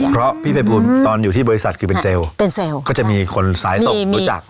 เพราะพี่ภัยบูลตอนอยู่ที่บริษัทคือเป็นเซลล์เป็นเซลล์ก็จะมีคนสายตกรู้จัก